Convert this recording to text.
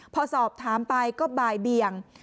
พอสอบถามไปก็บ่ายเบียง